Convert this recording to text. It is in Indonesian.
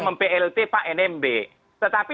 mem plt pak nmb tetapi